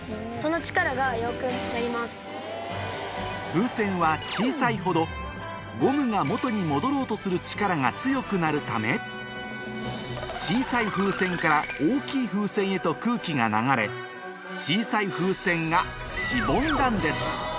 風船は小さいほどゴムが元に戻ろうとする力が強くなるため小さい風船から大きい風船へと空気が流れ小さい風船がしぼんだんです